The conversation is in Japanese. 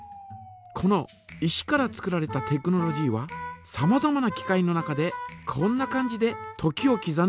この石から作られたテクノロジーはさまざまな機械の中でこんな感じで時をきざんでいます。